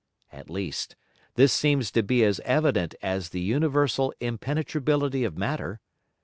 At least, this seems to be as evident as the universal Impenetrability of Matter.